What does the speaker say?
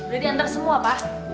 berita yang tersebut apa